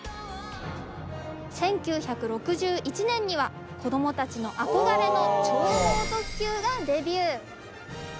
１９６１年には子どもたちの憧れの眺望特急がデビュー。